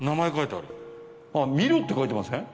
あっミロって書いてません？